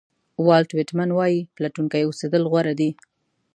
والټ وېټمن وایي پلټونکی اوسېدل غوره دي.